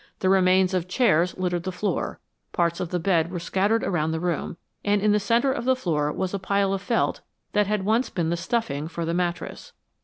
The remains of chairs littered the floor, parts of the bed were scattered around the room, and in the center of the floor was a pile of felt that had once been the stuffing for the mattress.